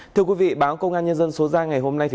thưa quý vị báo công an nhân dân số ra ngày hôm nay